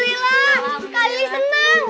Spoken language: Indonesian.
alhamdulillah kak lili senang banget